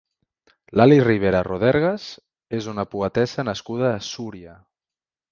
Lali Ribera Rodergas és una poetessa nascuda a Súria.